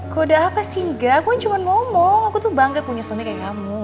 kalau udah apa sih enggak aku cuma ngomong aku tuh bangga punya suami kayak kamu